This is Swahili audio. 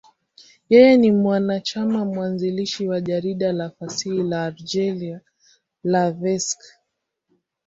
Yeye ni mwanachama mwanzilishi wa jarida la fasihi la Algeria, L'Ivrescq.